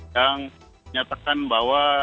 yang menyatakan bahwa